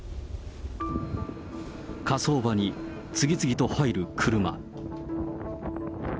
火葬場に次々と入る車。